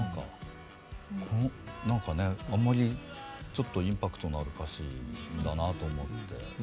なんかねあんまりちょっとインパクトのある歌詞だなと思って。